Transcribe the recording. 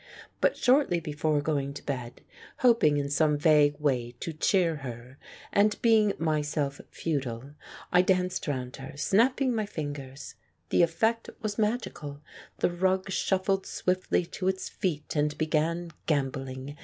But shortly before going to bed, hoping in some vague way to cheer her, and being myself 7* The Dance on the Beefsteak futile, I danced round her, snapping my fingers. The effect was magical. The rug shuffled swiftly to its feet, and began gambolling.